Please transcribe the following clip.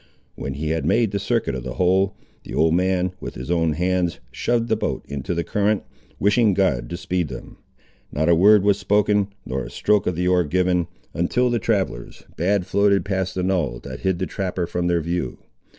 When he had made the circuit of the whole, the old man, with his own hands, shoved the boat into the current, wishing God to speed them. Not a word was spoken, nor a stroke of the oar given, until the travellers had floated past a knoll that hid the trapper from their view.